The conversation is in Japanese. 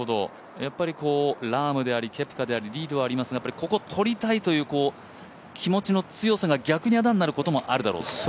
ラームであり、ケプカでありリードはありますがここ取りたいという気持ちの強さが逆にあだになることもあるだろう。